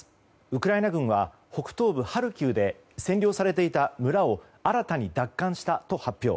ウクライナ軍は北東部ハルキウで占領されていた村を新たに奪還したと発表。